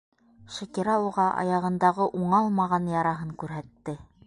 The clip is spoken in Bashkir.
Шакира уға аяғындағы уңалмаған яраһын күрһәтте.